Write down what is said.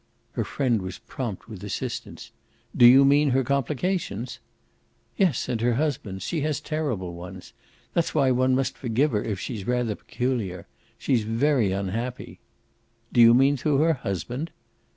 Her friend was prompt with assistance. "Do you mean her complications?" "Yes, and her husband's. She has terrible ones. That's why one must forgive her if she's rather peculiar. She's very unhappy." "Do you mean through her husband?"